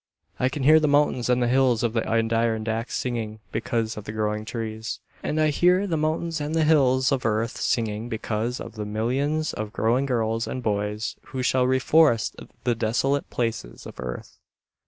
I can hear the mountains and the hills of the Adirondacks singing because of the growing trees, and I hear the mountains and the hills of earth singing because of the millions of growing girls and boys who shall reforest the desolate places of earth.